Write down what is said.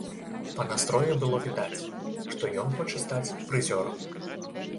Па настроі было відаць, што ён хоча стаць прызёрам.